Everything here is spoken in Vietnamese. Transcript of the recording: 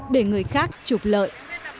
để người khác chụp lợi